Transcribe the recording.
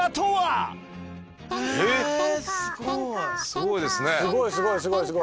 すごいですね。